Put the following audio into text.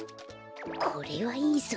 これはいいぞ。